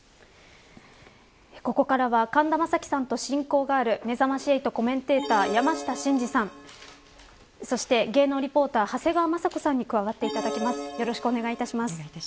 ここからは、神田正輝さんと親交がある、めざまし８コメンテーター山下真司さんそして芸能リポーター長谷川まさ子さんに加わっていただきます。